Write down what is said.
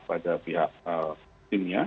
pada pihak timnya